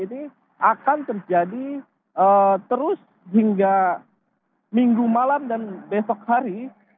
ini akan terjadi terus hingga minggu malam dan besok hari